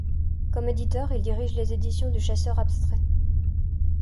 Comme éditeur, il dirige les Éditions du Chasseur abstrait.